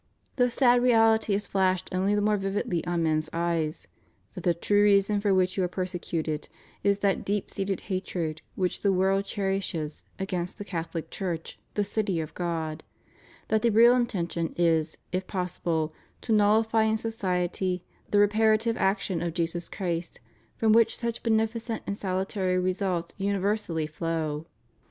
The sad reality is flashed only the more vividly on men's eyes, that the true reason for wliich you are persecuted is that deep seated hatred which the world cherishes against the Cathohc Church, the City of God; that the real intention is, if possible, to nullify in society the re parative action of Jesus Christ from which such beneficent and salutary results universally flow.